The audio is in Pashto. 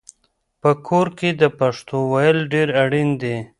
په کور کې د پښتو ویل ډېر اړین دي.